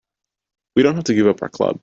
We don't have to give up our club.